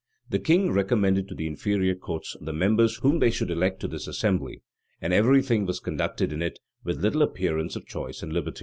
The king recommended to the inferior courts the members whom they should elect to this assembly; and every thing was conducted in it with little appearance of choice and liberty.